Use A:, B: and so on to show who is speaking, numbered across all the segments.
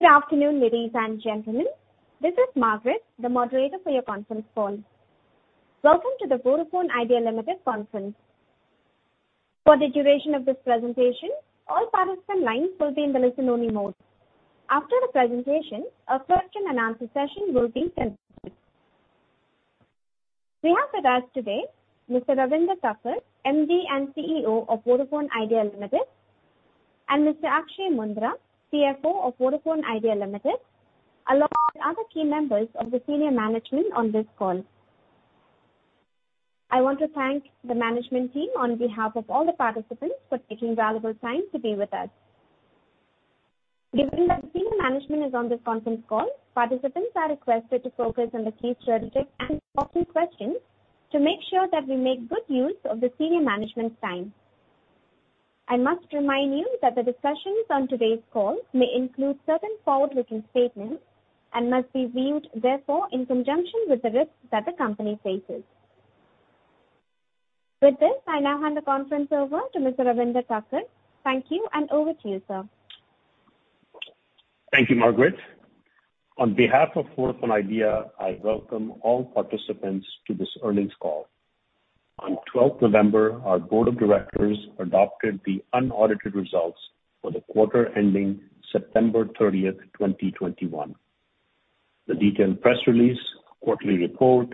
A: Good afternoon, ladies and gentlemen. This is Margaret, the moderator for your conference call. Welcome to the Vodafone Idea Limited conference. For the duration of this presentation, all participant lines will be in the listen-only mode. After the presentation, a question-and-answer session will be conducted. We have with us today Mr. Ravinder Takkar, MD and CEO of Vodafone Idea Limited, and Mr. Akshaya Moondra, CFO of Vodafone Idea Limited, along with other key members of the senior management on this call. I want to thank the management team on behalf of all the participants for taking valuable time to be with us. Given that the senior management is on this conference call, participants are requested to focus on the key strategic and profit questions to make sure that we make good use of the senior management's time. I must remind you that the discussions on today's call may include certain forward-looking statements and must be viewed therefore in conjunction with the risks that the company faces. With this, I now hand the conference over to Mr. Ravinder Takkar. Thank you, and over to you, sir.
B: Thank you, Margaret. On behalf of Vodafone Idea, I welcome all participants to this earnings call. On 12 November, our board of directors adopted the unaudited results for the quarter ending September 30, 2021. The detailed press release, quarterly report,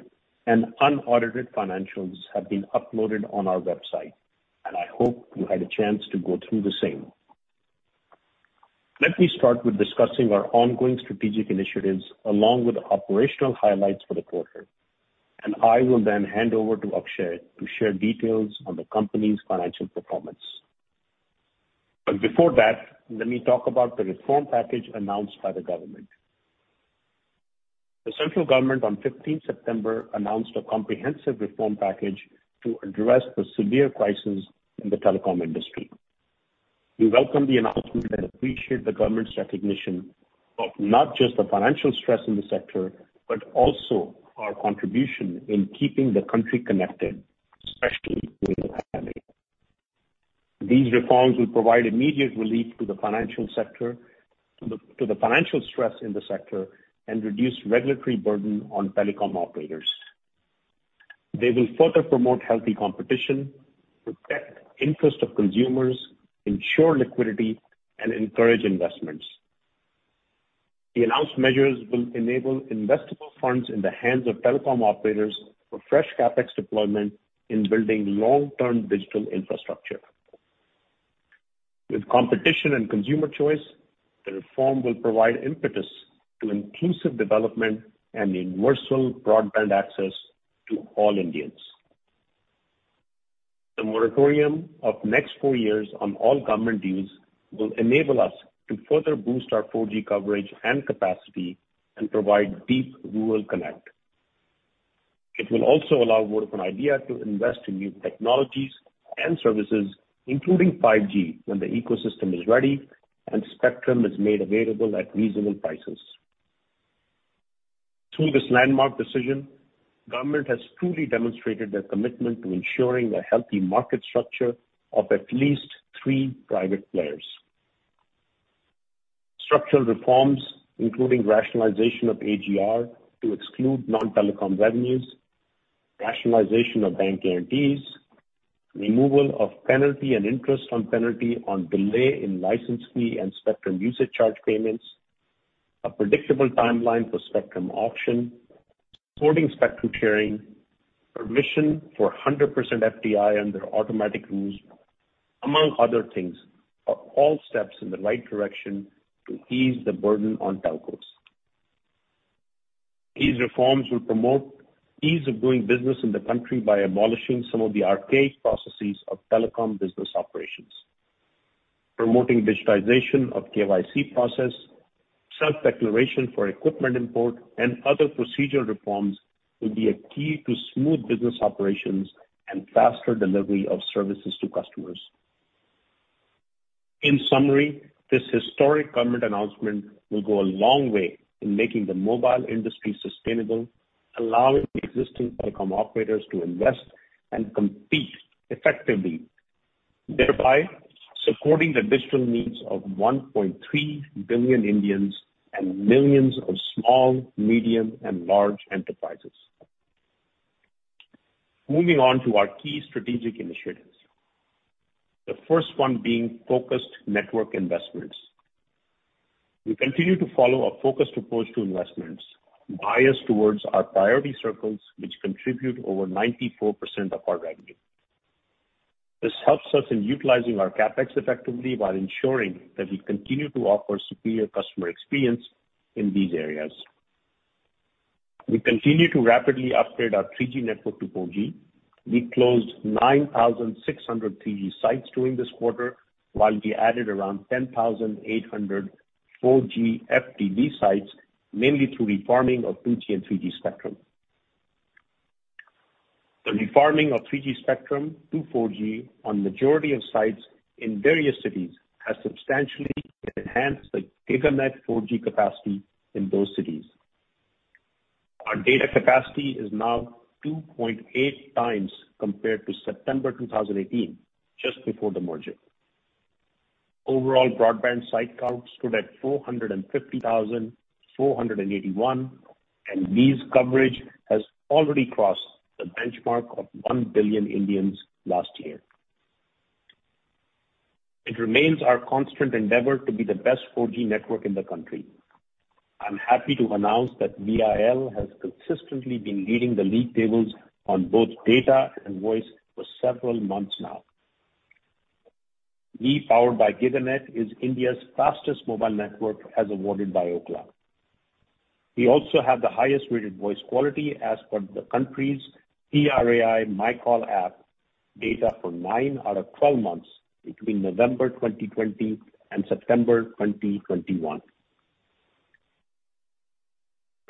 B: and unaudited financials have been uploaded on our website, and I hope you had a chance to go through the same. Let me start with discussing our ongoing strategic initiatives along with the operational highlights for the quarter. I will then hand over to Akshaya to share details on the company's financial performance. Before that, let me talk about the reform package announced by the government. The central government on 15 September announced a comprehensive reform package to address the severe crisis in the telecom industry. We welcome the announcement and appreciate the government's recognition of not just the financial stress in the sector, but also our contribution in keeping the country connected, especially during the pandemic. These reforms will provide immediate relief to the financial sector, to the financial stress in the sector and reduce regulatory burden on telecom operators. They will further promote healthy competition, protect interest of consumers, ensure liquidity, and encourage investments. The announced measures will enable investable funds in the hands of telecom operators for fresh CapEx deployment in building long-term digital infrastructure. With competition and consumer choice, the reform will provide impetus to inclusive development and universal broadband access to all Indians. The moratorium of next four years on all government dues will enable us to further boost our 4G coverage and capacity and provide deep rural connect. It will also allow Vodafone Idea to invest in new technologies and services, including 5G, when the ecosystem is ready and spectrum is made available at reasonable prices. Through this landmark decision, government has truly demonstrated their commitment to ensuring a healthy market structure of at least three private players. Structural reforms, including rationalization of AGR to exclude non-telecom revenues, rationalization of bank guarantees, removal of penalty and interest on penalty on delay in license fee and spectrum usage charge payments, a predictable timeline for spectrum auction, supporting spectrum sharing, permission for 100% FDI under automatic rules, among other things, are all steps in the right direction to ease the burden on telcos. These reforms will promote ease of doing business in the country by abolishing some of the archaic processes of telecom business operations. Promoting digitization of KYC process, self-declaration for equipment import, and other procedural reforms will be a key to smooth business operations and faster delivery of services to customers. In summary, this historic government announcement will go a long way in making the mobile industry sustainable, allowing the existing telecom operators to invest and compete effectively, thereby supporting the digital needs of 1.3 billion Indians and millions of small, medium, and large enterprises. Moving on to our key strategic initiatives. The first one being focused network investments. We continue to follow a focused approach to investments biased towards our priority circles, which contribute over 94% of our revenue. This helps us in utilizing our CapEx effectively while ensuring that we continue to offer superior customer experience in these areas. We continue to rapidly upgrade our 3G network to 4G. We closed 9,600 3G sites during this quarter, while we added around 10,800 4G FDD sites, mainly through refarming of 2G and 3G spectrum. The refarming of 3G spectrum to 4G on majority of sites in various cities has substantially enhanced the GigaNet 4G capacity in those cities. Our data capacity is now 2.8x compared to September 2018, just before the merger. Overall broadband site count stood at 450,481, and this coverage has already crossed the benchmark of 1 billion Indians last year. It remains our constant endeavor to be the best 4G network in the country. I'm happy to announce that VIL has consistently been leading the league tables on both data and voice for several months now. Vi powered by GigaNet is India's fastest mobile network as awarded by Ookla. We also have the highest-rated voice quality as per the country's TRAI MyCall app data for nine out of 12 months between November 2020 and September 2021.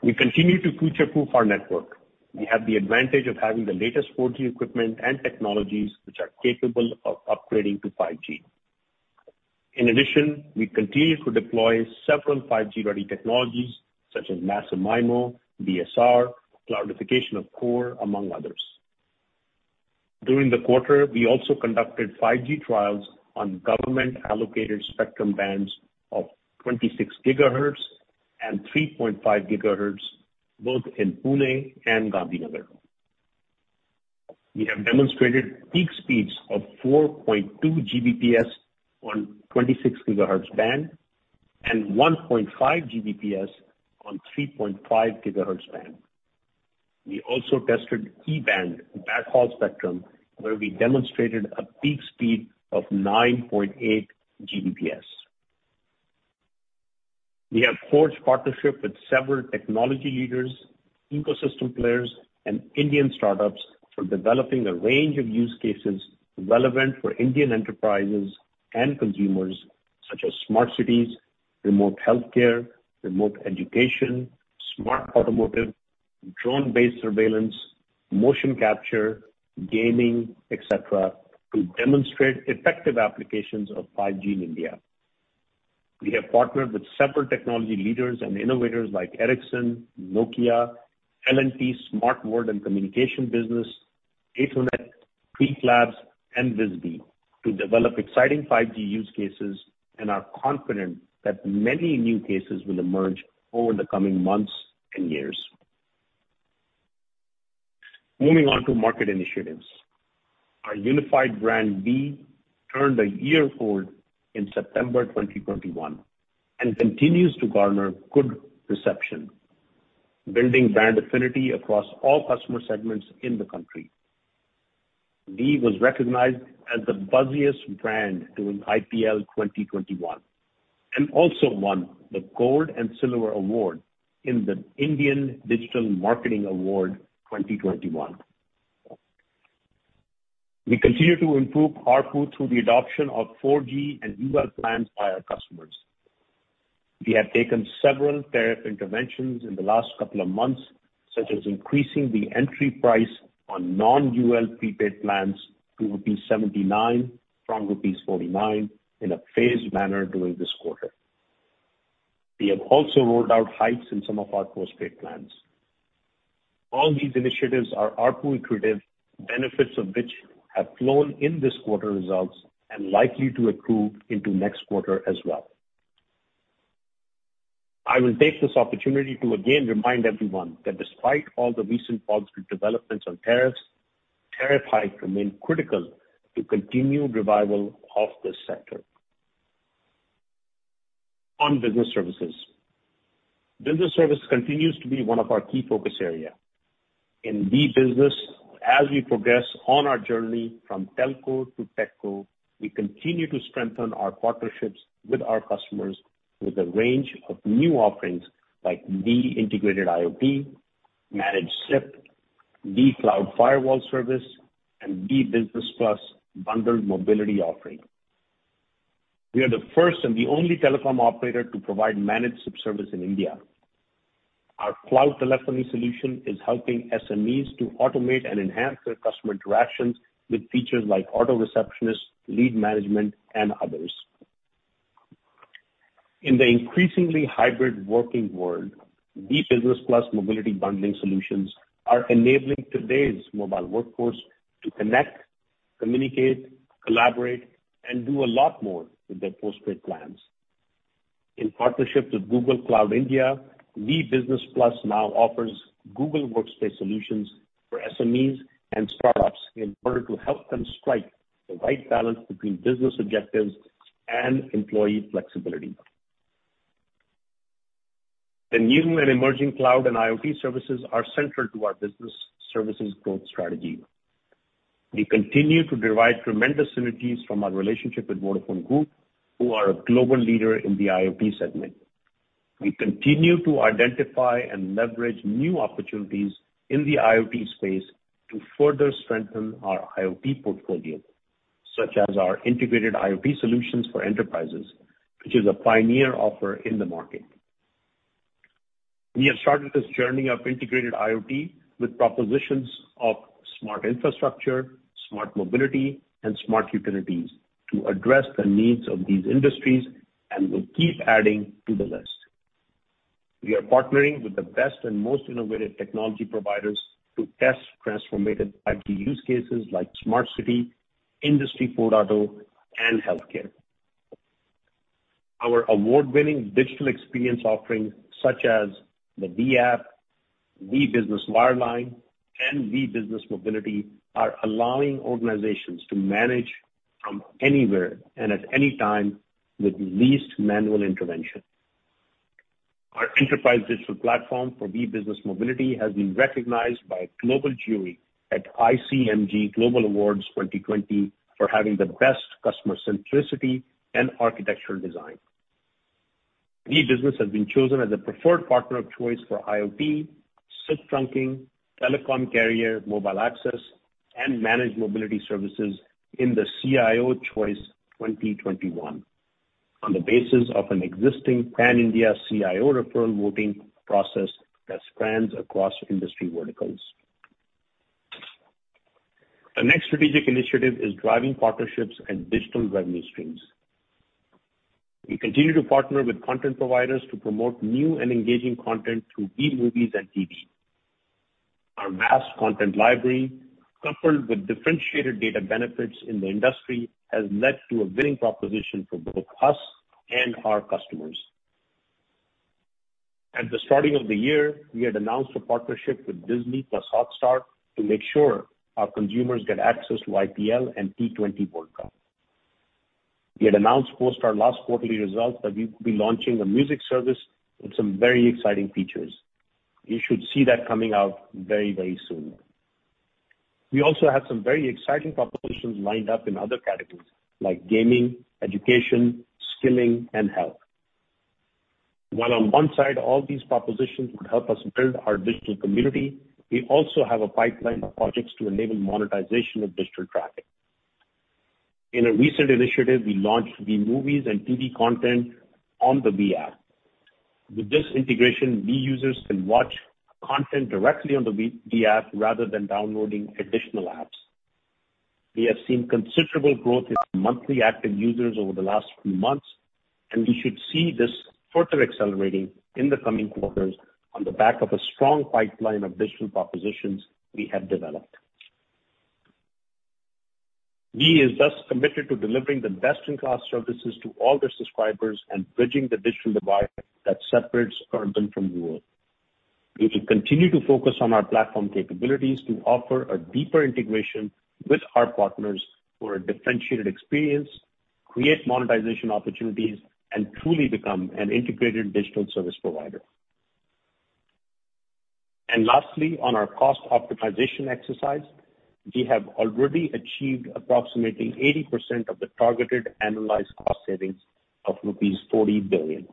B: We continue to future-proof our network. We have the advantage of having the latest 4G equipment and technologies which are capable of upgrading to 5G. In addition, we continue to deploy several 5G-ready technologies such as massive MIMO, VSR, cloudification of core, among others. During the quarter, we also conducted 5G trials on government-allocated spectrum bands of 26 GHz and 3.5 GHz, both in Pune and Gandhinagar. We have demonstrated peak speeds of 4.2 Gbps on 26 GHz band and 1.5 Gbps on 3.5 GHz band. We also tested E-band backhaul spectrum, where we demonstrated a peak speed of 9.8 Gbps. We have forged partnership with several technology leaders, ecosystem players, and Indian startups for developing a range of use cases relevant for Indian enterprises and consumers, such as smart cities, remote healthcare, remote education, smart automotive, drone-based surveillance, motion capture, gaming, etc., to demonstrate effective applications of 5G in India. We have partnered with several technology leaders and innovators like Ericsson, Nokia, L&T Smart World & Communication Business, Athonet, Preclabs, and Vizzbee to develop exciting 5G use cases and are confident that many new cases will emerge over the coming months and years. Moving on to market initiatives. Our unified brand Vi turned a year old in September 2021 and continues to garner good reception, building brand affinity across all customer segments in the country. Vi was recognized as the buzziest brand during IPL 2021, and also won the Gold and Silver Award in the Indian Digital Marketing Awards 2021. We continue to improve ARPU through the adoption of 4G and UL plans by our customers. We have taken several tariff interventions in the last couple of months, such as increasing the entry price on non-UL prepaid plans to rupees 79 from rupees 49 in a phased manner during this quarter. We have also rolled out hikes in some of our postpaid plans. All these initiatives are ARPU accretive, benefits of which have flowed in this quarter results and likely to accrue into next quarter as well. I will take this opportunity to again remind everyone that despite all the recent positive developments on tariffs, tariff hikes remain critical to continued revival of this sector. On business services. Business service continues to be one of our key focus area. In Vi Business, as we progress on our journey from telco to techco, we continue to strengthen our partnerships with our customers with a range of new offerings like Vi Integrated IoT, Managed SIP, Vi Cloud Firewall Service, and Vi Business Plus bundled mobility offering. We are the first and the only telecom operator to provide Managed SIP service in India. Our cloud telephony solution is helping SMEs to automate and enhance their customer interactions with features like auto receptionist, lead management, and others. In the increasingly hybrid working world, Vi Business Plus mobility bundling solutions are enabling today's mobile workforce to connect, communicate, collaborate, and do a lot more with their postpaid plans. In partnership with Google Cloud India, Vi Business Plus now offers Google Workspace solutions for SMEs and startups in order to help them strike the right balance between business objectives and employee flexibility. The new and emerging cloud and IoT services are central to our business services growth strategy. We continue to derive tremendous synergies from our relationship with Vodafone Group, who are a global leader in the IoT segment. We continue to identify and leverage new opportunities in the IoT space to further strengthen our IoT portfolio, such as our integrated IoT solutions for enterprises, which is a pioneer offer in the market. We have started this journey of integrated IoT with propositions of smart infrastructure, smart mobility, and smart utilities to address the needs of these industries. We'll keep adding to the list. We are partnering with the best and most innovative technology providers to test transformative IT use cases like smart city, Industry 4.0, and healthcare. Our award-winning digital experience offerings, such as the Vi App, Vi Business Wireline, and Vi Business Mobility, are allowing organizations to manage from anywhere and at any time with least manual intervention. Our enterprise digital platform for Vi Business Mobility has been recognized by a global jury at ICMG Architecture Excellence Awards 2020 for having the best customer centricity and architectural design. Vi Business has been chosen as a preferred partner of choice for IoT, SIP trunking, telecom carrier mobile access, and managed mobility services in the CIO Choice 2021 on the basis of an existing Pan-India CIO referral voting process that spans across industry verticals. The next strategic initiative is driving partnerships and digital revenue streams. We continue to partner with content providers to promote new and engaging content through Vi Movies & TV. Our vast content library, coupled with differentiated data benefits in the industry, has led to a winning proposition for both us and our customers. At the starting of the year, we had announced a partnership with Disney+ Hotstar to make sure our consumers get access to IPL and T20 World Cup. We had announced post our last quarterly results that we will be launching a music service with some very exciting features. You should see that coming out very, very soon. We also have some very exciting propositions lined up in other categories like gaming, education, skilling, and health. While on one side, all these propositions would help us build our digital community, we also have a pipeline of projects to enable monetization of digital traffic. In a recent initiative, we launched Vi Movies & TV content on the Vi App. With this integration, Vi users can watch content directly on the Vi App rather than downloading additional apps. We have seen considerable growth in monthly active users over the last few months, and we should see this further accelerating in the coming quarters on the back of a strong pipeline of digital propositions we have developed. Vi is thus committed to delivering the best-in-class services to all their subscribers and bridging the digital divide that separates urban from rural. We will continue to focus on our platform capabilities to offer a deeper integration with our partners for a differentiated experience, create monetization opportunities, and truly become an integrated digital service provider. Lastly, on our cost optimization exercise, we have already achieved approximately 80% of the targeted annualized cost savings of rupees 40 billion.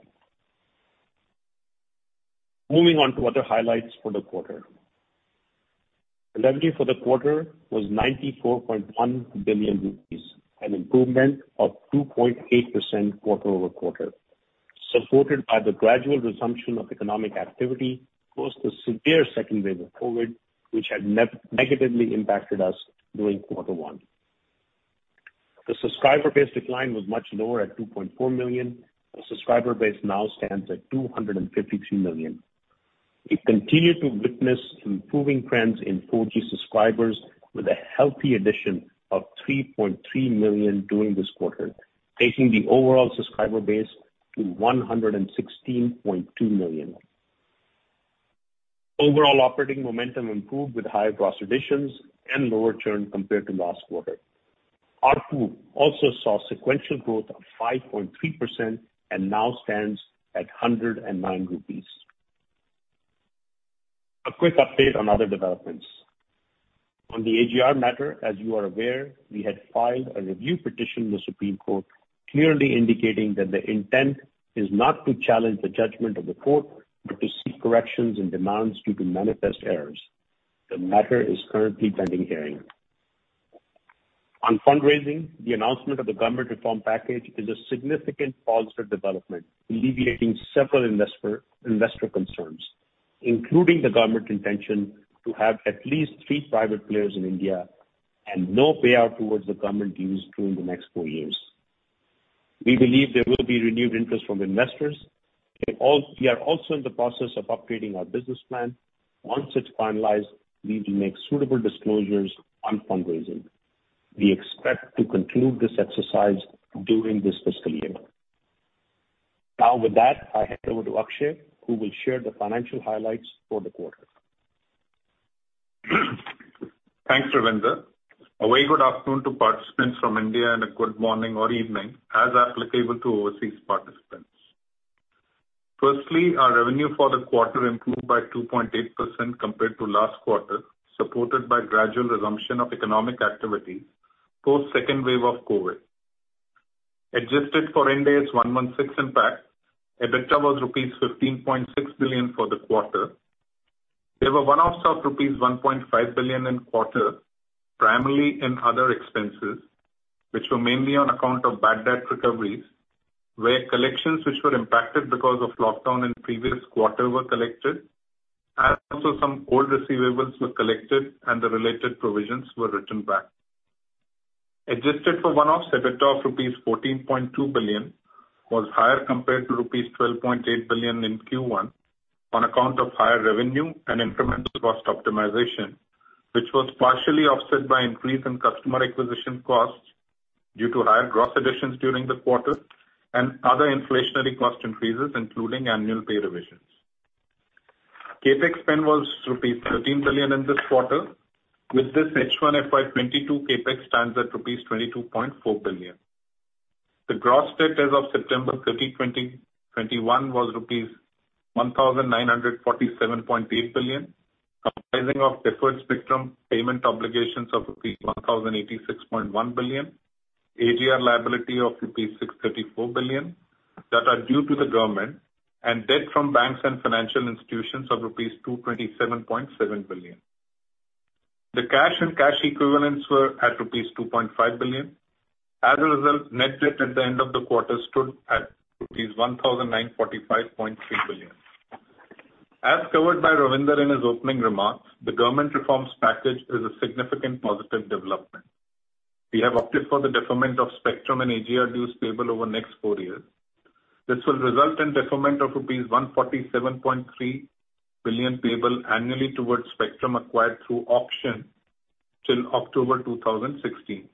B: Moving on to other highlights for the quarter. Revenue for the quarter was 94.1 billion rupees, an improvement of 2.8% quarter-over-quarter, supported by the gradual resumption of economic activity post the severe second wave of COVID, which had negatively impacted us during quarter one. The subscriber base decline was much lower at 2.4 million. The subscriber base now stands at 253 million. We continue to witness improving trends in 4G subscribers with a healthy addition of 3.3 million during this quarter, taking the overall subscriber base to 116.2 million. Overall operating momentum improved with higher gross additions and lower churn compared to last quarter. ARPU also saw sequential growth of 5.3% and now stands at 109 rupees. A quick update on other developments. On the AGR matter, as you are aware, we had filed a review petition in the Supreme Court, clearly indicating that the intent is not to challenge the judgment of the court, but to seek corrections and damages due to manifest errors. The matter is currently pending hearing. On fundraising, the announcement of the government reform package is a significant positive development, alleviating several investor concerns, including the government intention to have at least three private players in India and no payout towards the government dues during the next four years. We believe there will be renewed interest from investors. We are also in the process of upgrading our business plan. Once it's finalized, we will make suitable disclosures on fundraising. We expect to conclude this exercise during this fiscal year. Now with that, I hand over to Akshay, who will share the financial highlights for the quarter.
C: Thanks Ravinder. A very good afternoon to participants from India and a good morning or evening as applicable to overseas participants. Firstly, our revenue for the quarter improved by 2.8% compared to last quarter, supported by gradual resumption of economic activity post-second wave of COVID. Adjusted for Ind AS 116 impact, EBITDA was rupees 15.6 billion for the quarter. There were one-offs of rupees 1.5 billion in quarter, primarily in other expenses, which were mainly on account of bad debt recoveries, where collections which were impacted because of lockdown in previous quarter were collected and also some old receivables were collected and the related provisions were written back. Adjusted for one-offs, EBITDA of rupees 14.2 billion was higher compared to rupees 12.8 billion in Q1 on account of higher revenue and incremental cost optimization, which was partially offset by increase in customer acquisition costs due to higher gross additions during the quarter and other inflationary cost increases, including annual pay revisions. CapEx spend was rupees 13 billion in this quarter. With this H1 FY 2022 CapEx stands at rupees 22.4 billion. The gross debt as of September 30, 2021 was rupees 1,947.8 billion, comprising of deferred spectrum payment obligations of rupees 1,086.1 billion, AGR liability of rupees 634 billion that are due to the government, and debt from banks and financial institutions of rupees 227.7 billion. The cash and cash equivalents were at rupees 2.5 billion. As a result, net debt at the end of the quarter stood at rupees 1,945.3 billion. As covered by Ravinder in his opening remarks, the government reforms package is a significant positive development. We have opted for the deferment of spectrum and AGR dues payable over next four years. This will result in deferment of 147.3 billion payable annually towards spectrum acquired through auction till October 2016.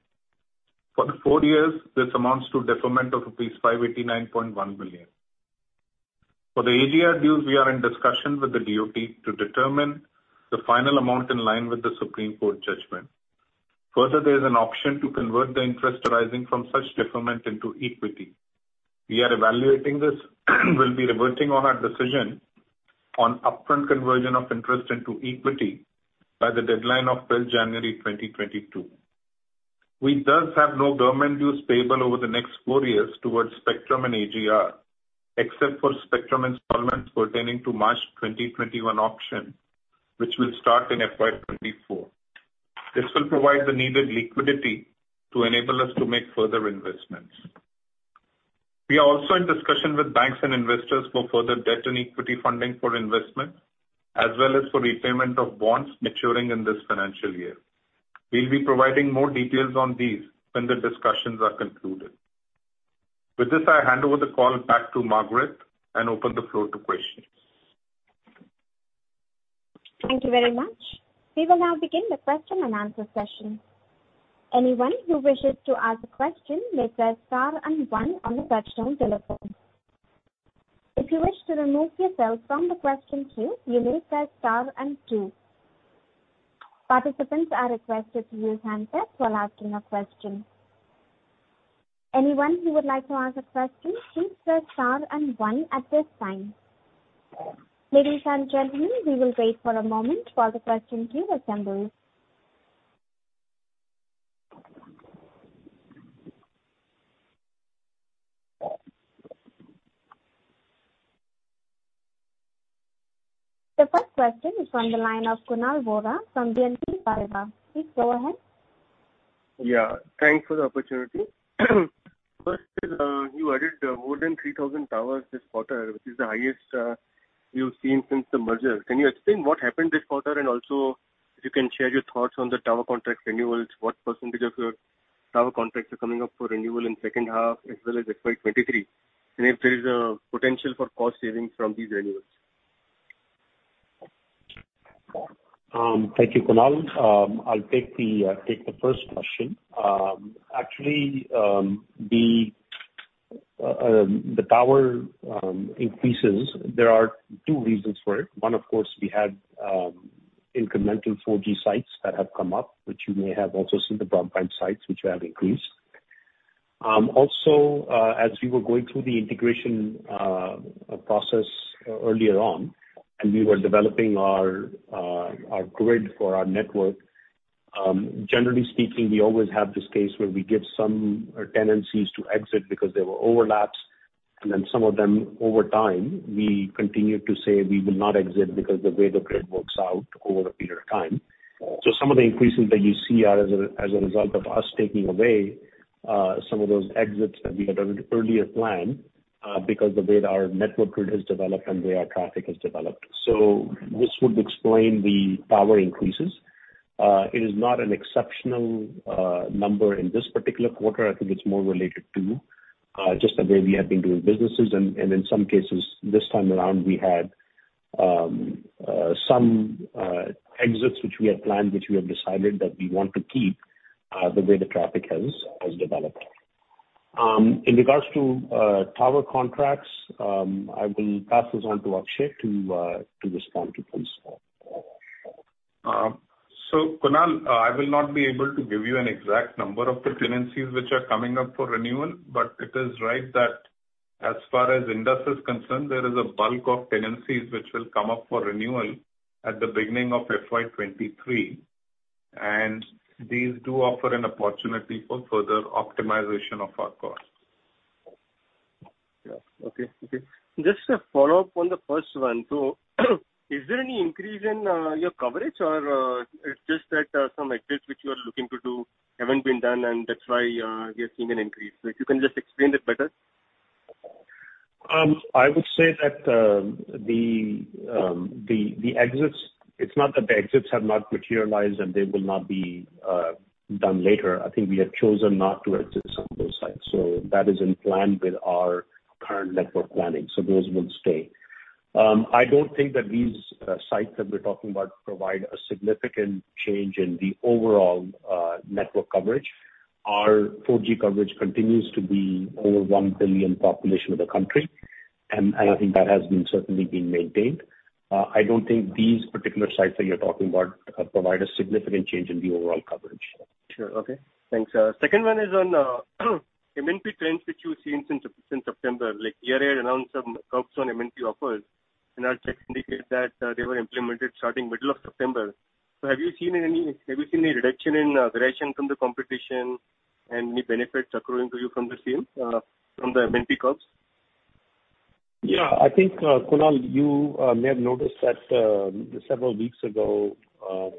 C: For the four years, this amounts to deferment of rupees 589.1 billion. For the AGR dues, we are in discussions with the DoT to determine the final amount in line with the Supreme Court judgment. Further, there is an option to convert the interest arising from such deferment into equity. We are evaluating this. We'll be reverting on our decision on upfront conversion of interest into equity by the deadline of January 2022. We thus have no government dues payable over the next four years towards spectrum and AGR, except for spectrum installments pertaining to March 2021 auction, which will start in FY 2024. This will provide the needed liquidity to enable us to make further investments. We are also in discussion with banks and investors for further debt and equity funding for investment, as well as for repayment of bonds maturing in this financial year. We'll be providing more details on these when the discussions are concluded. With this, I hand over the call back to Margaret and open the floor to questions.
A: Thank you very much. We will now begin the question-and-answer session. Anyone who wishes to ask a question may press star and one on the touchtone telephone. If you wish to remove yourself from the question queue, you may press star and two. Participants are requested to use handsets while asking a question. Anyone who would like to ask a question, please press star and one at this time. Ladies and gentlemen, we will wait for a moment while the question queue assembles. The first question is on the line of Kunal Vora from BNP Paribas. Please go ahead.
D: Yeah thanks for the opportunity. First is, you added more than 3,000 towers this quarter, which is the highest you've seen since the merger. Can you explain what happened this quarter? Also if you can share your thoughts on the tower contract renewals, what percentage of your tower contracts are coming up for renewal in second half as well as FY 2023, and if there is a potential for cost savings from these renewals?
B: Thank you Kunal. I'll take the first question. Actually, the tower increases, there are two reasons for it. One, of course, we had incremental 4G sites that have come up, which you may have also seen the broadband sites which have increased. Also, as we were going through the integration process earlier on, and we were developing our grid for our network, generally speaking, we always have this case where we give some tenancies to exit because there were overlaps. Some of them, over time, we continue to say we will not exit because the way the grid works out over a period of time. Some of the increases that you see are as a result of us taking away some of those exits that we had earlier planned, because the way that our network grid has developed and the way our traffic has developed. This would explain the tower increases. It is not an exceptional number in this particular quarter. I think it's more related to just the way we have been doing businesses. In some cases this time around, we had some exits which we had planned, which we have decided that we want to keep, the way the traffic has developed. In regards to tower contracts, I will pass this on to Akshaya to respond to Kunal.
C: Kunal, I will not be able to give you an exact number of the tenancies which are coming up for renewal. It is right that as far as Indus Towers is concerned, there is a bulk of tenancies which will come up for renewal at the beginning of FY 2023, and these do offer an opportunity for further optimization of our costs.
D: Yeah okay. Just a follow-up on the first one. So is there any increase in your coverage or it's just that some exits which you are looking to do haven't been done and that's why we are seeing an increase? Like, you can just explain it better.
B: I would say that the exits, it's not that the exits have not materialized, and they will not be done later. I think we have chosen not to exit some of those sites. That is in plan with our current network planning, so those will stay. I don't think that these sites that we're talking about provide a significant change in the overall network coverage. Our 4G coverage continues to be over 1 billion population of the country. I think that has certainly been maintained. I don't think these particular sites that you're talking about provide a significant change in the overall coverage.
D: Sure okay. Thanks. Second one is on MNP trends that you've seen since September, like TRAI announced some caps on MNP offers, and our checks indicate that they were implemented starting middle of September. Have you seen any reduction in attrition from the competition and any benefits accruing to you from the same, from the MNP caps?
B: Yeah i think, Kunal, you may have noticed that several weeks ago,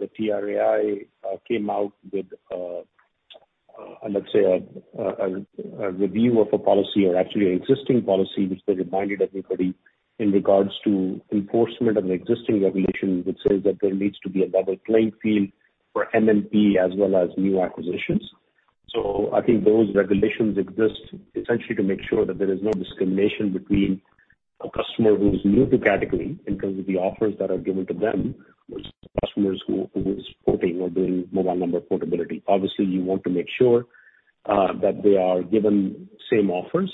B: the TRAI came out with, let's say a review of a policy or actually an existing policy, which they reminded everybody in regards to enforcement of an existing regulation which says that there needs to be a level playing field for MNP as well as new acquisitions. I think those regulations exist essentially to make sure that there is no discrimination between a customer who is new to category in terms of the offers that are given to them versus customers who is porting or doing mobile number portability. Obviously, you want to make sure that they are given same offers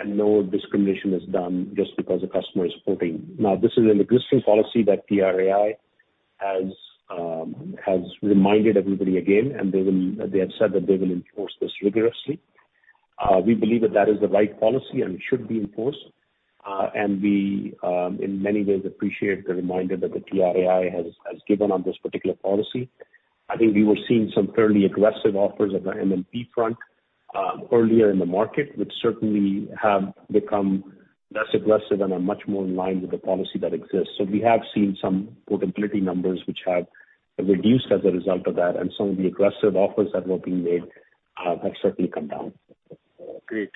B: and no discrimination is done just because a customer is porting. This is an existing policy that TRAI has reminded everybody again. They have said that they will enforce this rigorously. We believe that is the right policy and should be enforced. We in many ways appreciate the reminder that the TRAI has given on this particular policy. I think we were seeing some fairly aggressive offers on the MNP front earlier in the market, which certainly have become less aggressive and are much more in line with the policy that exists. We have seen some portability numbers which have reduced as a result of that, and some of the aggressive offers that were being made have certainly come down.
D: Great.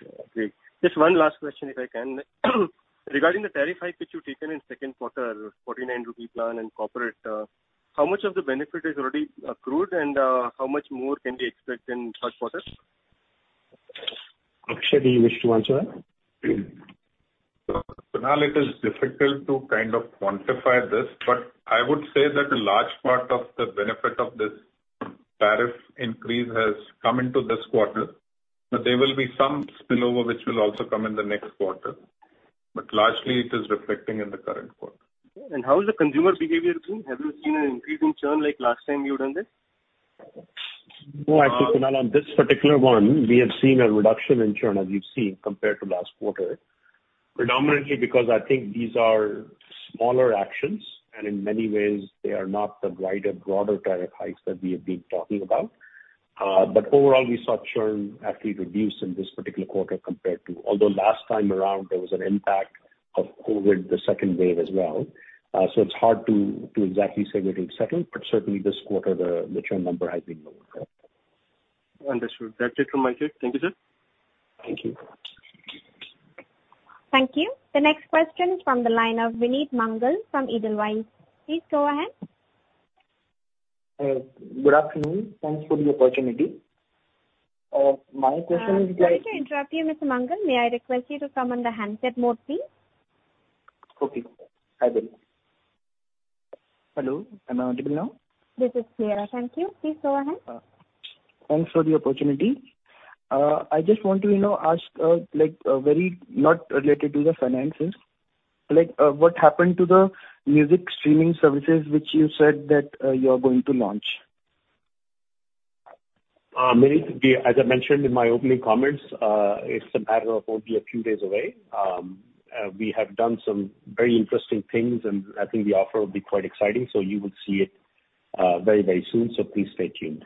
D: Just one last question, if I can. Regarding the tariff hike which you've taken in second quarter, 49 rupee plan and corporate, how much of the benefit is already accrued and, how much more can we expect in first quarter?
B: Akshaya, do you wish to answer that?
C: Kunal, it is difficult to kind of quantify this, but I would say that a large part of the benefit of this tariff increase has come into this quarter. There will be some spillover which will also come in the next quarter. Largely it is reflecting in the current quarter.
D: How is the consumer behavior been? Have you seen an increase in churn like last time you'd done this?
B: No actually, Kunal, on this particular one, we have seen a reduction in churn, as you've seen, compared to last quarter. Predominantly because I think these are smaller actions and in many ways they are not the wider, broader tariff hikes that we have been talking about. Overall we saw churn actually reduce in this particular quarter compared to last time around, although there was an impact of COVID, the second wave as well. It's hard to exactly say where it will settle. Certainly this quarter the churn number has been lower.
D: Understood that's it from my side. Thank you, sir.
B: Thank you.
A: Thank you. The next question is from the line of Vineet Mangal from Edelweiss. Please go ahead.
E: Good afternoon. Thanks for the opportunity. My question is like-
A: Sorry to interrupt you, Mr. Mangal. May I request you to come on the handset mode, please?
E: Okay I will. Hello, am I audible now?
A: This is clear. Thank you. Please go ahead.
E: Thanks for the opportunity. I just want to, you know, ask, like, very not related to the finances. Like, what happened to the music streaming services which you said that you are going to launch?
B: Vineet, as I mentioned in my opening comments, it's a matter of only a few days away. We have done some very interesting things, and I think the offer will be quite exciting, so you will see it very, very soon. Please stay tuned.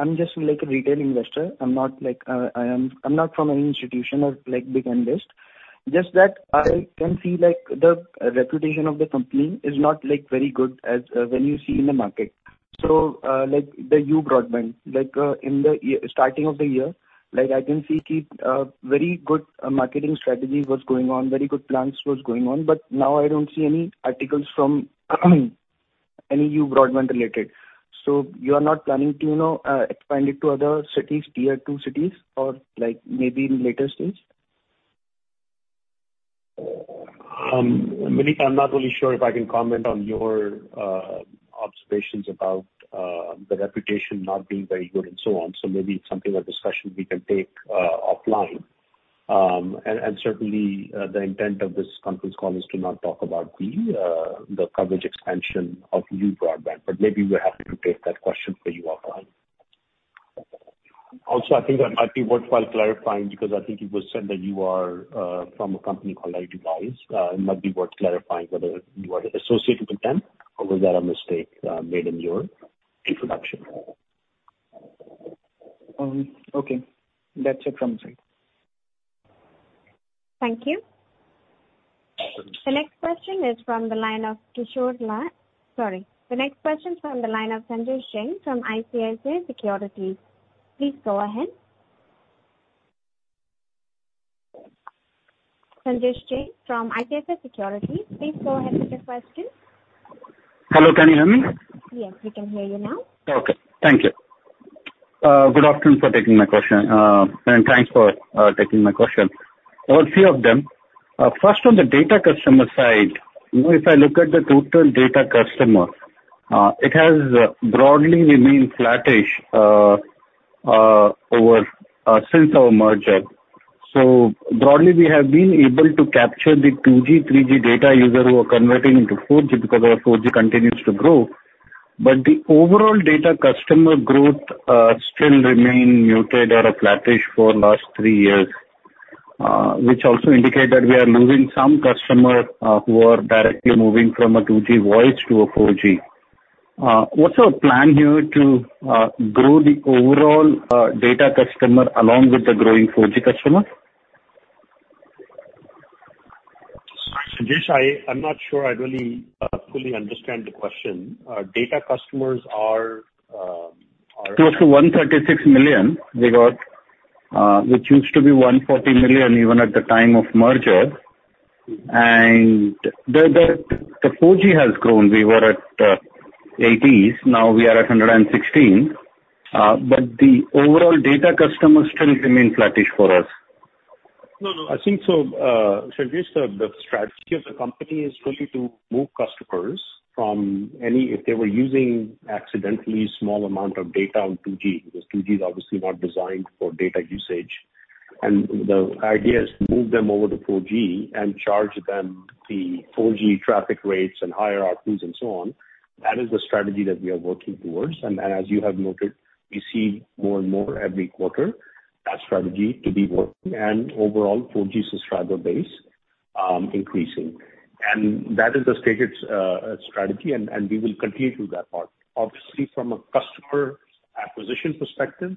E: I'm just like a retail investor. I'm not from any institution or like big analyst. Just that I can see like the reputation of the company is not like very good as when you see in the market. Like the You Broadband, like, in the starting of the year, like I can see, very good marketing strategy was going on, very good plans was going on, but now I don't see any articles from any You Broadband related. You are not planning to, you know, expand it to other cities, tier two cities or like maybe in later stage?
B: Vineet, I'm not really sure if I can comment on your observations about the reputation not being very good and so on, so maybe it's something a discussion we can take offline. Certainly, the intent of this conference call is to not talk about the coverage expansion of You Broadband, but maybe we're happy to take that question for you offline. Also, I think it might be worthwhile clarifying because I think it was said that you are from a company called Edelweiss. It might be worth clarifying whether you are associated with them or was that a mistake made in your introduction?
E: Okay. That's it from my side.
A: Thank you. The next question is from the line of Sanjesh Jain from ICICI Securities. Please go ahead. Sanjesh Jain from ICICI Securities, please go ahead with your question.
F: Hello can you hear me?
A: Yes, we can hear you now.
F: Okay, thank you. Good afternoon, thank you for taking my question, and thanks for taking my question. I have a few of them. First, on the data customer side, you know, if I look at the total data customer, it has broadly remained flattish ever since our merger. Broadly, we have been able to capture the 2G 3G data users who are converting into 4G because our 4G continues to grow. The overall data customer growth still remains muted or flattish for the last three years, which also indicates that we are losing some customers who are directly moving from a 2G voice to a 4G. What's our plan here to grow the overall data customer along with the growing 4G customer?
B: Sanjesh, I'm not sure I really fully understand the question. Our data customers are
F: Close to 136 million we got, which used to be 140 million even at the time of merger. The 4G has grown. We were at 80s, now we are at 116. The overall data customers still remain flattish for us.
B: No, no. I think so, Sanjesh, the strategy of the company is really to move customers from any. If they were using a small amount of data on 2G, because 2G is obviously not designed for data usage. The idea is to move them over to 4G and charge them the 4G traffic rates and higher ARPU and so on. That is the strategy that we are working towards. As you have noted, we see more and more every quarter that strategy to be working and overall 4G subscriber base increasing. That is the stated strategy and we will continue to do that part. Obviously from a customer acquisition perspective,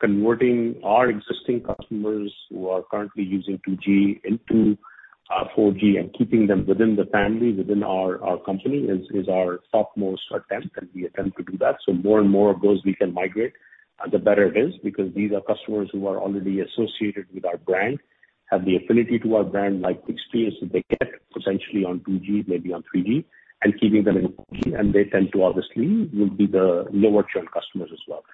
B: converting our existing customers who are currently using 2G into 4G and keeping them within the family, within our company is our topmost attempt, and we attempt to do that. More and more of those we can migrate, the better it is because these are customers who are already associated with our brand, have loyalty to our brand, like the experience that they get potentially on 2G, maybe on 3G, and keeping them in 4G, and they tend to obviously will be the lower churn customers as well.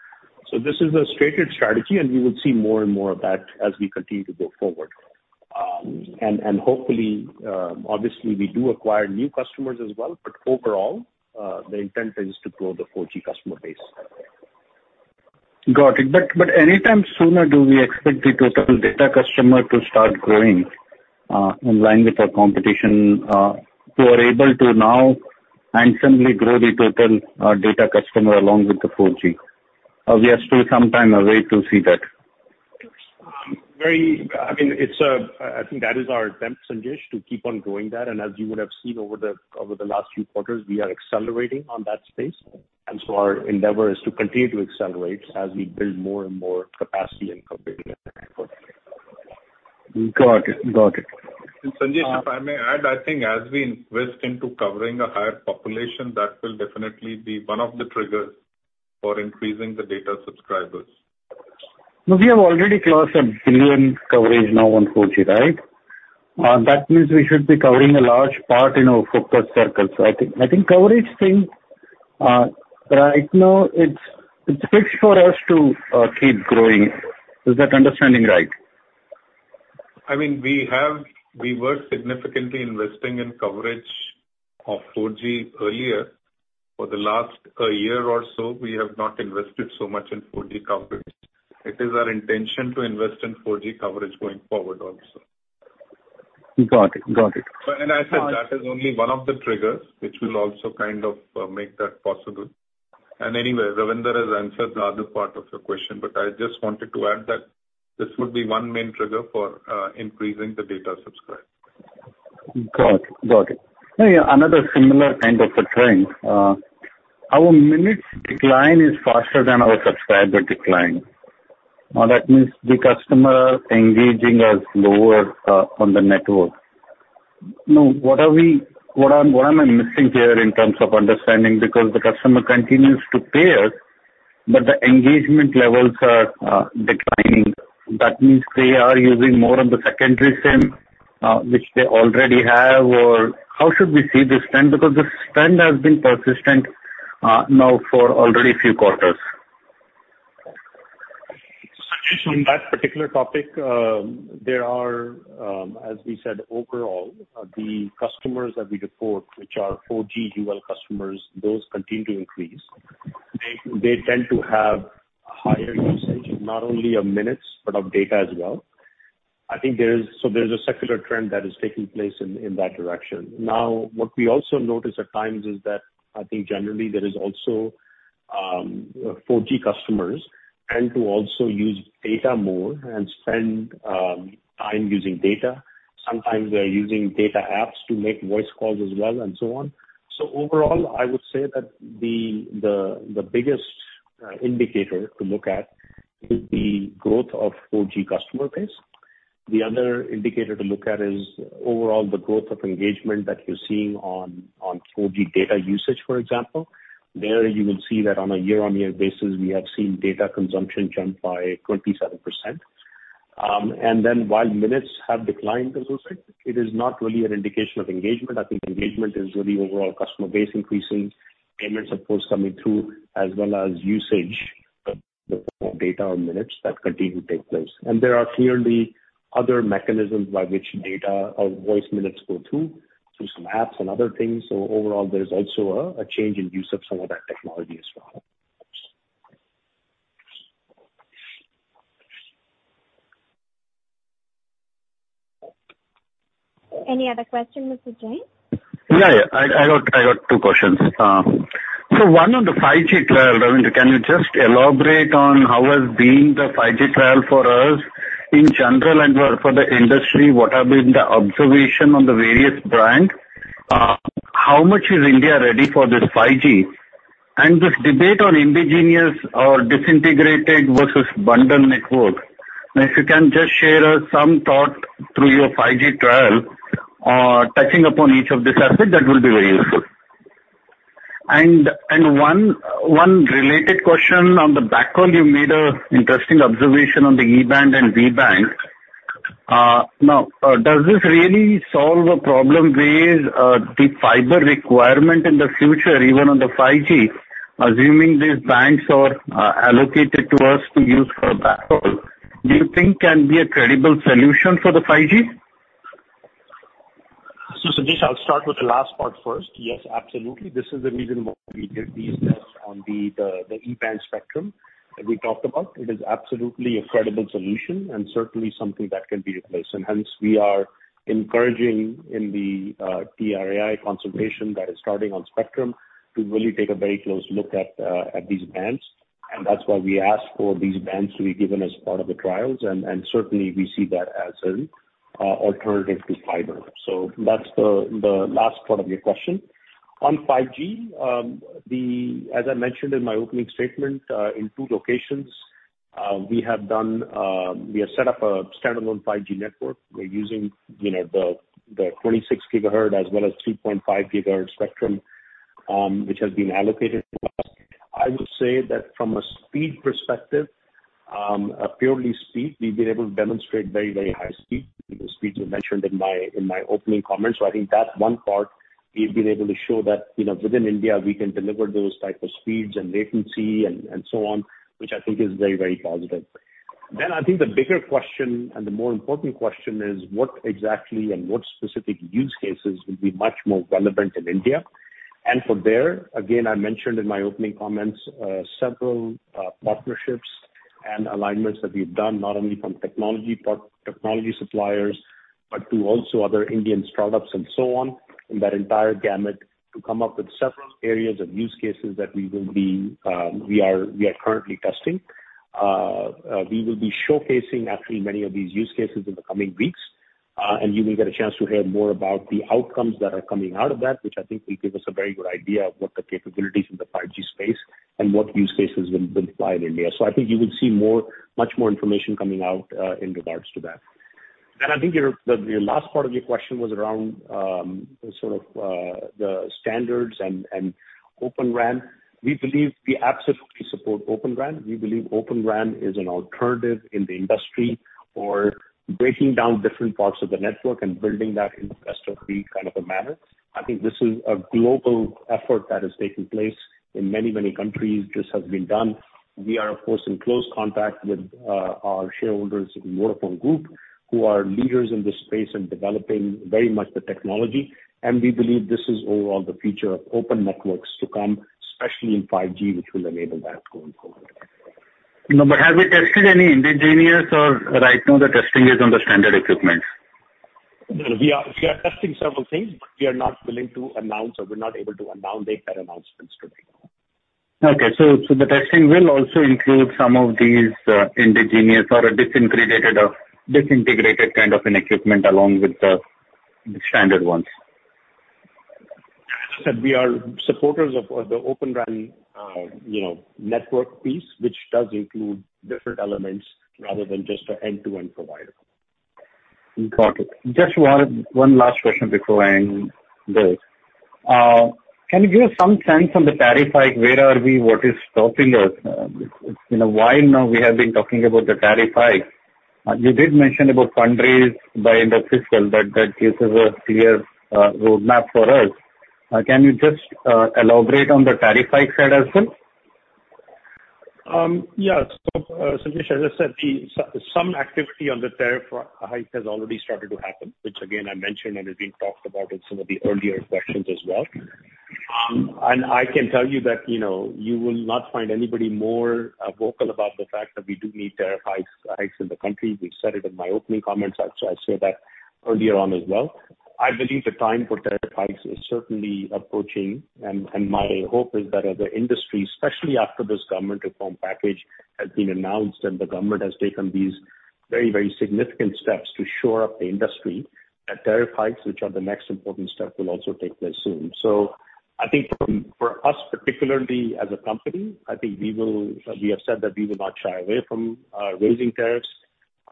B: This is a stated strategy, and we will see more and more of that as we continue to go forward. Hopefully, obviously we do acquire new customers as well, but overall, the intent is to grow the 4G customer base.
F: Got it but anytime sooner, do we expect the total data customer to start growing in line with our competition, who are able to now and suddenly grow the total data customer along with the 4G? Or we are still some time away to see that?
B: I mean, it's I think that is our attempt, Sanjesh, to keep on growing that. As you would have seen over the last few quarters, we are accelerating on that space. Our endeavor is to continue to accelerate as we build more and more capacity and capability.
F: Got it. Got it.
C: Sanjesh, if I may add, I think as we invest into covering a higher population, that will definitely be one of the triggers for increasing the data subscribers.
F: No, we have already crossed 1 billion coverage now on 4G, right? That means we should be covering a large part in our focused circle. I think coverage thing, right now it's fixed for us to keep growing. Is that understanding right?
C: I mean, we were significantly investing in coverage of 4G earlier. For the last year or so, we have not invested so much in 4G coverage. It is our intention to invest in 4G coverage going forward also.
F: Got it.
C: I said that is only one of the triggers, which will also kind of, make that possible. Anyway, Ravinder has answered the other part of your question, but I just wanted to add that this would be one main trigger for, increasing the data subscribers.
F: Got it. Yeah. Another similar kind of a trend. Our minutes decline is faster than our subscriber decline. That means the customer engagement is lower on the network. What am I missing here in terms of understanding? Because the customer continues to pay us, but the engagement levels are declining. That means they are using more of the secondary SIM which they already have, or how should we see this trend? Because this trend has been persistent now for already a few quarters.
B: Sanjesh, on that particular topic, there are, as we said overall, the customers that we report, which are 4G UL customers, those continue to increase. They tend to have higher usage, not only of minutes but of data as well. I think there is a secular trend that is taking place in that direction. Now, what we also notice at times is that I think generally there is also, 4G customers tend to also use data more and spend time using data. Sometimes they are using data apps to make voice calls as well and so on. Overall, I would say that the biggest indicator to look at is the growth of 4G customer base. The other indicator to look at is overall the growth of engagement that you're seeing on 4G data usage, for example. There you will see that on a year-on-year basis, we have seen data consumption jump by 27%. Then while minutes have declined as you said, it is not really an indication of engagement. I think engagement is really overall customer base increasing, payments of course coming through as well as usage of data or minutes that continue to take place. There are clearly other mechanisms by which data or voice minutes go through some apps and other things. Overall, there is also a change in use of some of that technology as well.
A: Any other question, Mr. Jain?
F: Yeah. I got two questions. One on the 5G trial, Ravinder, can you just elaborate on how the 5G trial has been for us in general and for the industry, what the observations have been on the various bands. How much is India ready for this 5G. This debate on indigenous or disaggregated versus bundled network. If you can just share with us some thoughts through your 5G trial or touching upon each of these aspects, that will be very useful. One related question, on the backhaul you made an interesting observation on the E-band and V-band. Now, does this really solve a problem where the fiber requirement in the future, even on the 5G, assuming these bands are allocated to us to use for backhaul, do you think can be a credible solution for the 5G?
B: Sanjesh, I'll start with the last part first. Yes, absolutely. This is the reason why we did these tests on the E-band spectrum that we talked about. It is absolutely a credible solution and certainly something that can be replaced. Hence we are encouraging in the TRAI consultation that is starting on spectrum to really take a very close look at these bands. That's why we ask for these bands to be given as part of the trials and certainly we see that as an alternative to fiber. That's the last part of your question. On 5G, as I mentioned in my opening statement, in two locations, we have set up a standalone 5G network. We're using the 26 GHz as well as 3.5 GHz spectrum, which has been allocated to us. I will say that from a speed perspective, purely speed, we've been able to demonstrate very, very high speed. The speeds were mentioned in my opening comments. I think that one part we've been able to show that, within India we can deliver those type of speeds and latency and so on, which I think is very, very positive. I think the bigger question and the more important question is what exactly and what specific use cases will be much more relevant in India. From there, again, I mentioned in my opening comments, several partnerships and alignments that we've done, not only from technology part, technology suppliers, but to also other Indian startups and so on, in that entire gamut to come up with several areas of use cases that we are currently testing. We will be showcasing actually many of these use cases in the coming weeks. You may get a chance to hear more about the outcomes that are coming out of that, which I think will give us a very good idea of what the capabilities in the 5G space and what use cases will apply in India. I think you will see much more information coming out, in regards to that. I think the last part of your question was around sort of the standards and Open RAN. We believe we absolutely support Open RAN. We believe Open RAN is an alternative in the industry for breaking down different parts of the network and building that in a best of breed kind of a manner. I think this is a global effort that has taken place in many countries. This has been done. We are of course in close contact with our shareholders in Vodafone Group, who are leaders in this space and developing very much the technology. We believe this is overall the future of open networks to come, especially in 5G, which will enable that going forward.
F: No, have you tested any indigenous or right now the testing is on the standard equipment?
B: No, we are testing several things, but we are not willing to announce or we're not able to announce it, that announcements today, no.
F: Okay. The testing will also include some of these, indigenous or disaggregated kind of an equipment along with the standard ones.
B: We are supporters of the Open RAN, you know, network piece, which does include different elements rather than just an end-to-end provider.
F: Got it. Just one last question before I end this. Can you give some sense on the tariff hike? Where are we? What is stopping us? You know, why now we have been talking about the tariff hike. You did mention about fundraise by end of fiscal that gives us a clear roadmap for us. Can you just elaborate on the tariff hike side as well?
B: Yeah. Sanjesh, as I said, some activity on the tariff hike has already started to happen, which again, I mentioned and has been talked about in some of the earlier questions as well. I can tell you that, you know, you will not find anybody more vocal about the fact that we do need tariff hikes in the country. We've said it in my opening comments. I said that earlier on as well. I believe the time for tariff hikes is certainly approaching and my hope is that as the industry, especially after this government reform package has been announced and the government has taken these very, very significant steps to shore up the industry, that tariff hikes, which are the next important step, will also take place soon. I think for us, particularly as a company, we have said that we will not shy away from raising tariffs.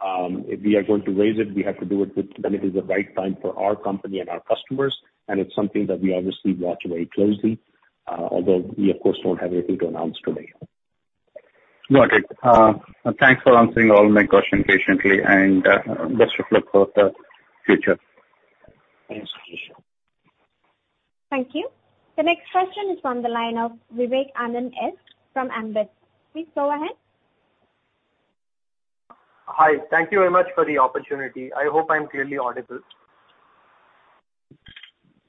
B: If we are going to raise it, we have to do it when it is the right time for our company and our customers, and it's something that we obviously watch very closely, although we of course don't have anything to announce today.
F: Got it. Thanks for answering all my questions patiently and best of luck for the future.
B: Thanks, Sanjesh.
A: Thank you. The next question is from the line of Vivekanand Subbaraman from Ambit. Please go ahead.
G: Hi. Thank you very much for the opportunity. I hope I'm clearly audible.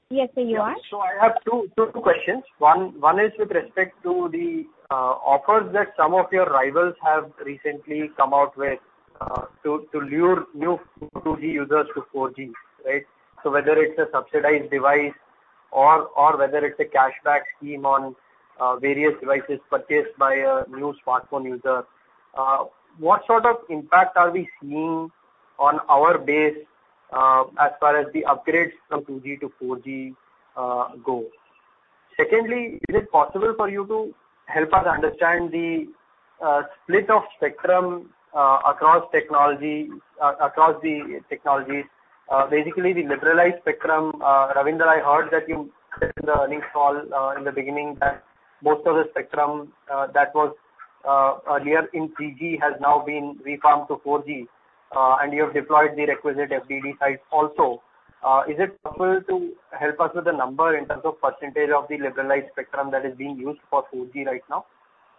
A: Yes, sir, you are.
G: I have two questions. One is with respect to the offers that some of your rivals have recently come out with to lure new 2G users to 4G, right? Whether it's a subsidized device or whether it's a cashback scheme on various devices purchased by a new smartphone user, what sort of impact are we seeing on our base as far as the upgrades from 2G to 4G go? Secondly, is it possible for you to help us understand the split of spectrum across technologies, basically the liberalized spectrum? Ravinder, I heard that you said in the earnings call, in the beginning that most of the spectrum that was earlier in 3G has now been refarmed to 4G, and you have deployed the requisite FDD sites also. Is it possible to help us with the number in terms of percentage of the liberalized spectrum that is being used for 4G right now?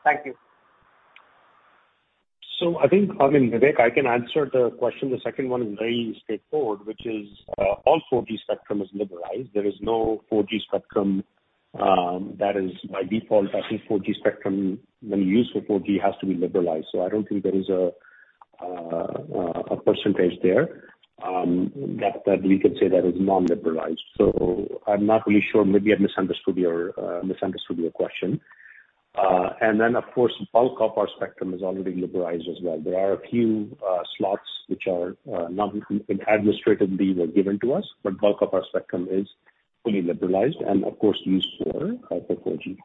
G: Thank you.
B: I think, I mean, Vivek, I can answer the question. The second one is very straightforward, which is, all 4G spectrum is liberalized. There is no 4G spectrum that is by default. I think 4G spectrum, when used for 4G, has to be liberalized. I don't think there is a percentage there that we can say that is non-liberalized. I'm not really sure. Maybe I misunderstood your question. Then of course bulk of our spectrum is already liberalized as well. There are a few slots which are not administratively were given to us, but bulk of our spectrum is fully liberalized and of course used for 4G.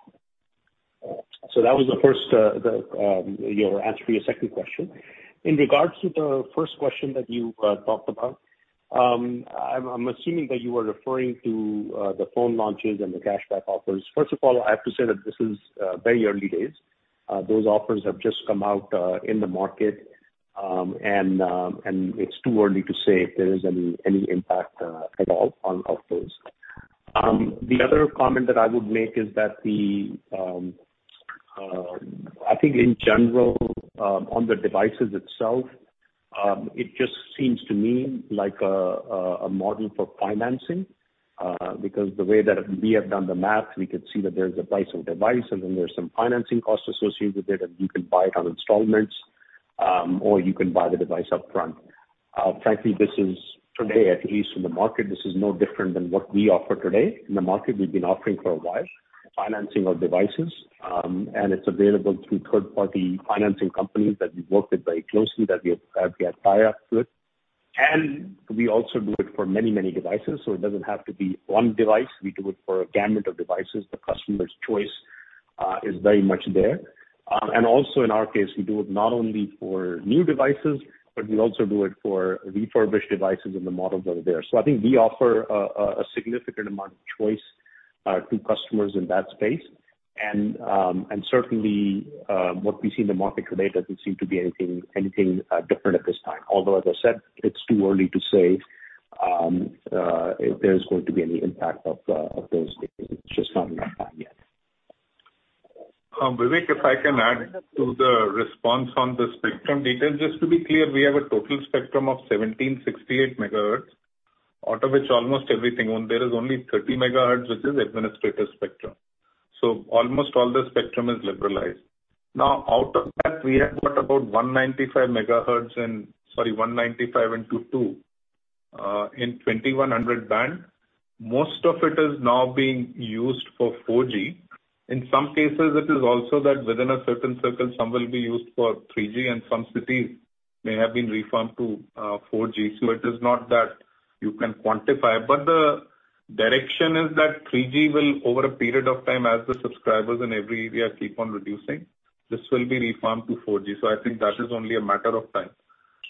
B: That was the answer to your second question. In regards to the first question that you talked about, I'm assuming that you are referring to the phone launches and the cashback offers. First of all, I have to say that this is very early days. Those offers have just come out in the market. It's too early to say if there is any impact at all of those. The other comment that I would make is that the, I think in general, on the devices itself, it just seems to me like a model for financing, because the way that we have done the math, we can see that there's a price of device and then there's some financing costs associated with it, and you can buy it on installments, or you can buy the device upfront. Frankly, this is today, at least in the market, this is no different than what we offer today. In the market, we've been offering for a while, financing of devices. And it's available through third party financing companies that we've worked with very closely that we have tie-ups with. And we also do it for many, many devices, so it doesn't have to be one device. We do it for a gamut of devices. The customer's choice is very much there. Also in our case, we do it not only for new devices, but we also do it for refurbished devices and the models that are there. I think we offer a significant amount of choice to customers in that space. Certainly, what we see in the market today doesn't seem to be anything different at this time. Although, as I said, it's too early to say if there's going to be any impact of those deals. It's just not enough time yet.
C: Vivek, if I can add to the response on the spectrum details. Just to be clear, we have a total spectrum of 1768 MHz, out of which there is only 30 MHz which is administered spectrum. Almost all the spectrum is liberalized. Now, out of that, we have got about 195 MHz. Sorry, 195 into two in 2100 band. Most of it is now being used for 4G. In some cases, it is also that within a certain circle some will be used for 3G and some cities may have been refarmed to 4G. It is not that you can quantify. The direction is that 3G will, over a period of time as the subscribers in every area keep on reducing, this will be refarmed to 4G. I think that is only a matter of time.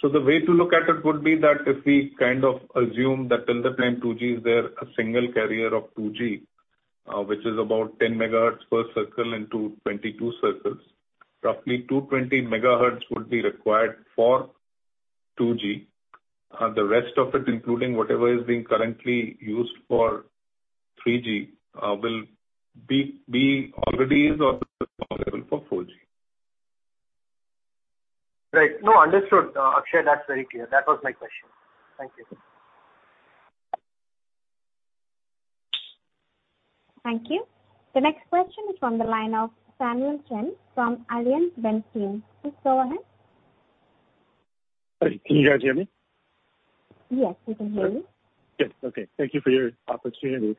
C: The way to look at it would be that if we kind of assume that till the time 2G is there, a single carrier of 2G, which is about 10 MHz per circle in 22 circles, roughly 220 MHz would be required for 2G. The rest of it, including whatever is being currently used for 3G, already is or will be available for 4G.
G: Right. No, understood. Akshaya, that's very clear. That was my question. Thank you.
A: Thank you. The next question is from the line of Samuel Chen from AllianceBernstein. Please go ahead.
H: Hi. Can you guys hear me?
A: Yes, we can hear you.
H: Good. Okay. Thank you for your opportunity.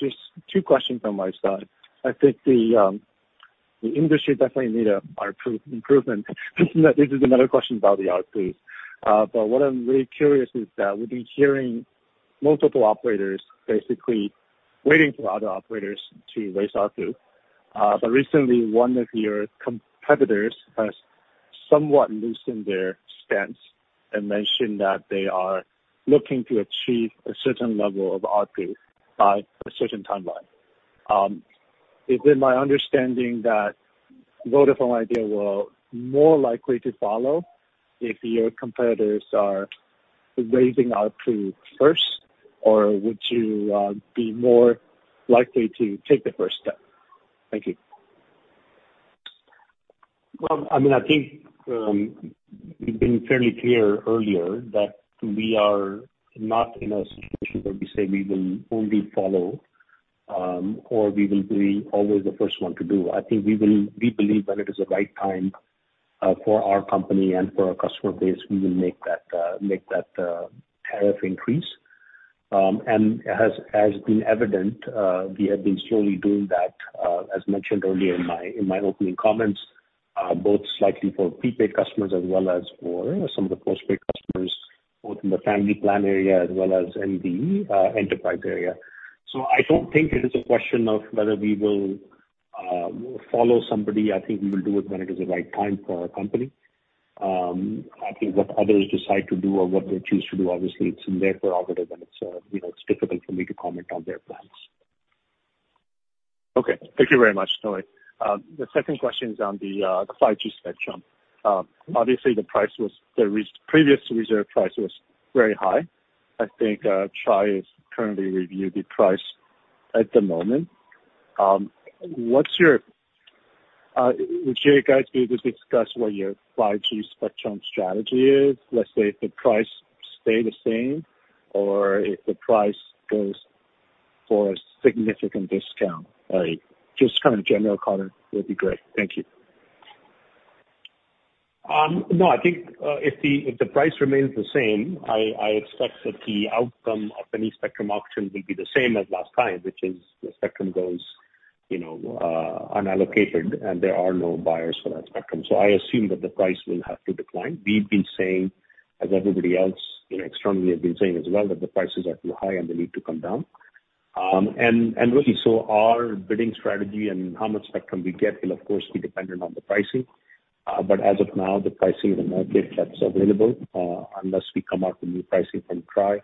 H: Just two questions on my side. I think the industry definitely need a proof, improvement. This is another question about the ARPU. What I'm really curious is that we've been hearing multiple operators basically waiting for other operators to raise ARPU. Recently one of your competitors has somewhat loosened their stance and mentioned that they are looking to achieve a certain level of ARPU by a certain timeline. It's been my understanding that Vodafone Idea will more likely to follow if your competitors are raising ARPU first, or would you be more likely to take the first step? Thank you.
B: Well, I mean, I think we've been fairly clear earlier that we are not in a situation where we say we will only follow or we will be always the first one to do. I think we will. We believe when it is the right time for our company and for our customer base, we will make that tariff increase. As has been evident, we have been slowly doing that, as mentioned earlier in my opening comments, both slightly for prepaid customers as well as for some of the postpaid customers, both in the family plan area as well as in the enterprise area. I don't think it is a question of whether we will follow somebody. I think we will do it when it is the right time for our company. I think what others decide to do or what they choose to do, obviously it's in their prerogative and it's, you know, it's difficult for me to comment on their plans.
H: Okay. Thank you very much, Noe. The second question is on the 5G spectrum. Obviously the previous reserve price was very high. I think TRAI is currently review the price at the moment. Would you guys be able to discuss what your 5G spectrum strategy is, let's say if the price stay the same or if the price goes for a significant discount? Just kind of general comment would be great. Thank you.
B: No, I think if the price remains the same, I expect that the outcome of any spectrum auction will be the same as last time, which is the spectrum goes, you know, unallocated, and there are no buyers for that spectrum. I assume that the price will have to decline. We've been saying, as everybody else, you know, externally have been saying as well, that the prices are too high and they need to come down. Look, our bidding strategy and how much spectrum we get will of course be dependent on the pricing. As of now, the pricing in the market that's available, unless we come out with new pricing from TRAI,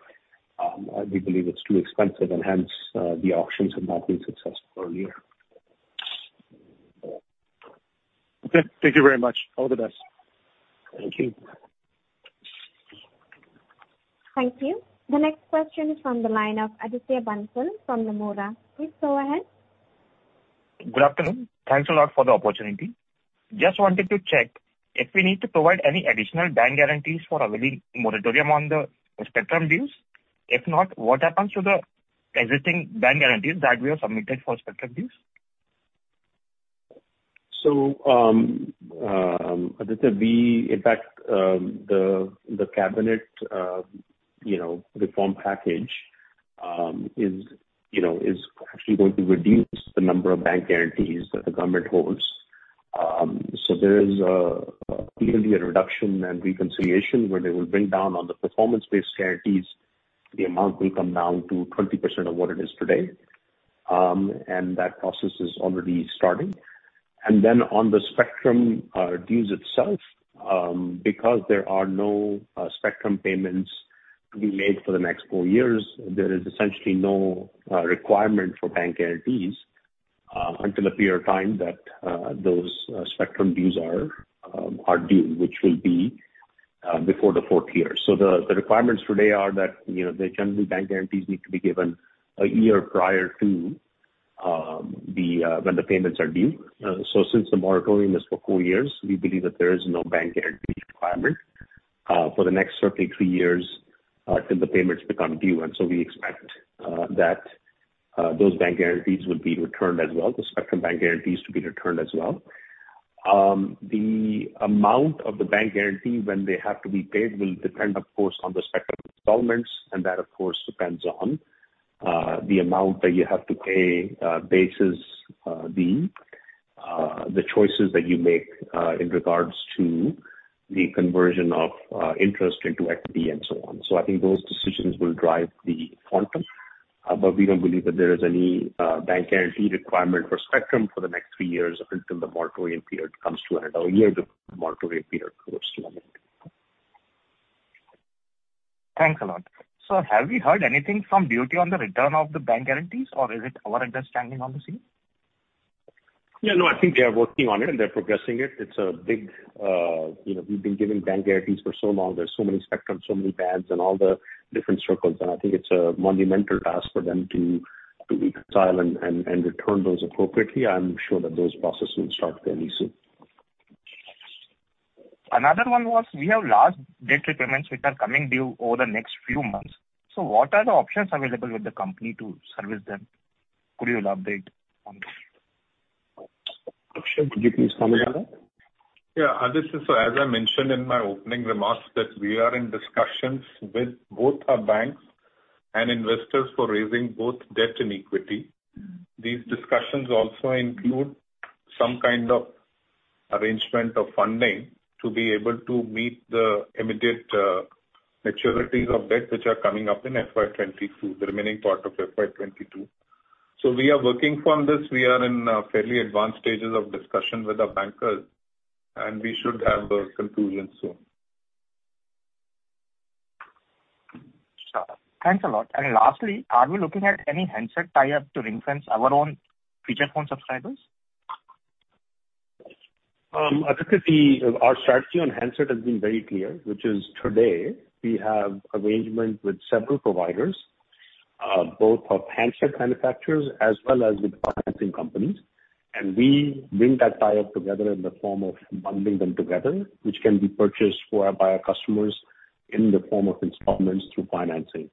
B: we believe it's too expensive and hence the auctions have not been successful earlier.
H: Okay. Thank you very much. All the best.
B: Thank you.
A: Thank you. The next question is from the line of Aditya Bansal from Nomura. Please go ahead.
I: Good afternoon. Thanks a lot for the opportunity. Just wanted to check if we need to provide any additional bank guarantees for availing moratorium on the spectrum dues. If not, what happens to the existing bank guarantees that we have submitted for spectrum dues?
B: Aditya, we, in fact, the Cabinet, you know, reform package is, you know, actually going to reduce the number of bank guarantees that the government holds. There is clearly a reduction and reconciliation where they will bring down on the performance-based guarantees. The amount will come down to 20% of what it is today. That process is already starting. On the spectrum dues itself, because there are no spectrum payments to be made for the next four years, there is essentially no requirement for bank guarantees until a period of time that those spectrum dues are due, which will be before the fourth year. The requirements today are that, you know, the general bank guarantees need to be given a year prior to when the payments are due. Since the moratorium is for four years, we believe that there is no bank guarantee requirement for the next certainly three years till the payments become due. We expect those bank guarantees would be returned as well, the spectrum bank guarantees to be returned as well. The amount of the bank guarantee when they have to be paid will depend, of course, on the spectrum installments, and that of course depends on the amount that you have to pay basis the choices that you make in regards to the conversion of interest into equity and so on. I think those decisions will drive the quantum, but we don't believe that there is any bank guarantee requirement for spectrum for the next three years until the moratorium period comes to an end.
I: Thanks a lot. Sir, have we heard anything from DoT on the return of the bank guarantees, or is it our understanding on the scene?
B: Yeah, no, I think they are working on it and they're progressing it. It's a big, you know, we've been giving bank guarantees for so long. There's so many spectrum, so many banks and all the different circles, and I think it's a monumental task for them to reconcile and return those appropriately. I'm sure that those processes will start very soon.
I: Another one was we have large debt repayments which are coming due over the next few months. What are the options available with the company to service them? Could you update on that?
B: Sure. Could you please come again? Yeah, Aditya, as I mentioned in my opening remarks that we are in discussions with both our banks and investors for raising both debt and equity. These discussions also include some kind of arrangement of funding to be able to meet the immediate maturities of debt which are coming up in FY 2022, the remaining part of FY 2022. We are working on this. We are in fairly advanced stages of discussion with our bankers, and we should have the conclusion soon.
I: Sure. Thanks a lot. Lastly, are we looking at any handset tie-up to influence our own feature phone subscribers?
B: Aditya, our strategy on handset has been very clear, which is today we have arrangement with several providers, both of handset manufacturers as well as with financing companies. We bring that tie-up together in the form of bundling them together, which can be purchased by our customers in the form of installments through financing.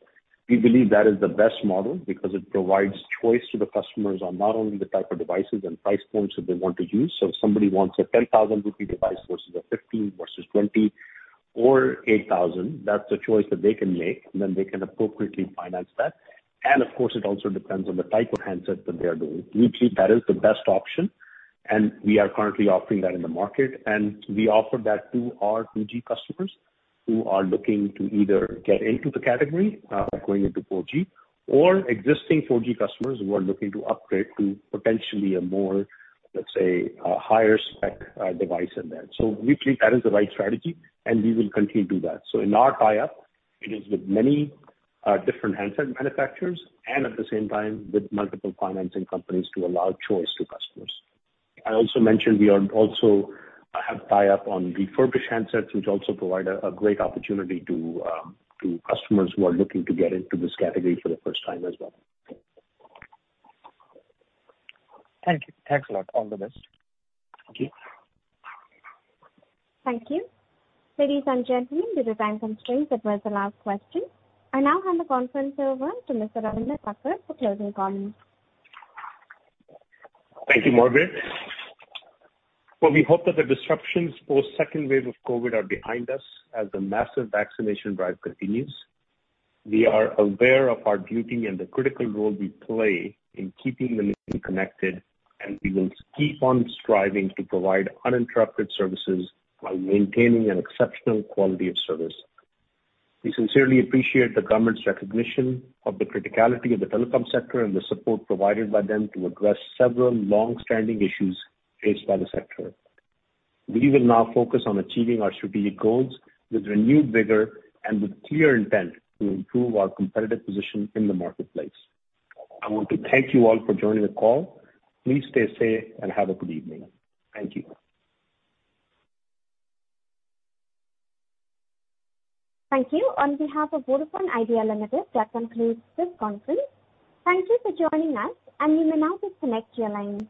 B: We believe that is the best model because it provides choice to the customers on not only the type of devices and price points that they want to use, so if somebody wants an 10,000 rupee device versus an 15,000 versus 20,000 or 8,000, that's a choice that they can make, and then they can appropriately finance that. Of course, it also depends on the type of handset that they are using. We believe that is the best option, and we are currently offering that in the market. We offer that to our 2G customers who are looking to either get into the category, going into 4G, or existing 4G customers who are looking to upgrade to potentially a more, let's say, a higher spec, device in that. We believe that is the right strategy, and we will continue to do that. In our tie-up, it is with many, different handset manufacturers and at the same time with multiple financing companies to allow choice to customers. I also mentioned we also have tie-up on refurbished handsets, which also provide a great opportunity to customers who are looking to get into this category for the first time as well.
I: Thank you. Thanks a lot. All the best.
B: Thank you.
A: Thank you. Ladies and gentlemen, due to time constraints, that was the last question. I now hand the conference over to Mr. Ravinder Takkar for closing comments.
B: Thank you, Margaret. Well, we hope that the disruptions for second wave of COVID are behind us as the massive vaccination drive continues. We are aware of our duty and the critical role we play in keeping the nation connected, and we will keep on striving to provide uninterrupted services while maintaining an exceptional quality of service. We sincerely appreciate the government's recognition of the criticality of the telecom sector and the support provided by them to address several long-standing issues faced by the sector. We will now focus on achieving our strategic goals with renewed vigor and with clear intent to improve our competitive position in the marketplace. I want to thank you all for joining the call. Please stay safe and have a good evening. Thank you.
A: Thank you. On behalf of Vodafone Idea Limited, that concludes this conference. Thank you for joining us, and you may now disconnect your lines.